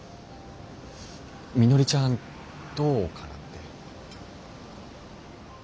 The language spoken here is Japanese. みのりちゃんどうかなって。